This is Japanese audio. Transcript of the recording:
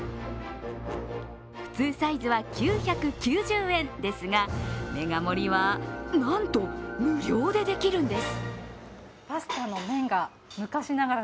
普通サイズは９９０円ですがメガ盛りは、なんと無料でできるってす。